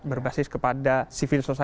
berbasis kepada sivil sejarah